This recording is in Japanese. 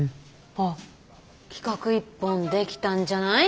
あっ企画１本できたんじゃない？